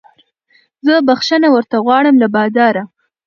زه بخښنه ورته غواړم له باداره